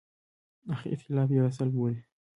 اختلاف یو اصل بولي.